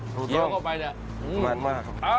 ตรงอร่อยนะครับเดี๋ยวก่อนเข้าไปแน่